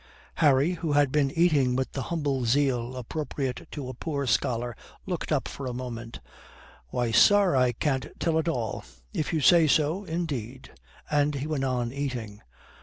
Harry, who had been eating with the humble zeal appropriate to a poor scholar, looked up for a moment: "Why, sir, I can't tell at all. If you say so, indeed " and he went on eating.